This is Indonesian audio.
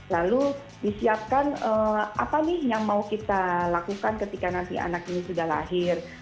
lalu disiapkan apa nih yang mau kita lakukan ketika nanti anak ini sudah lahir